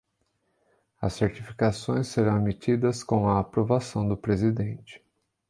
As certificações serão emitidas com a aprovação do Presidente.